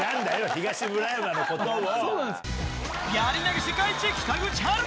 東村山のことを。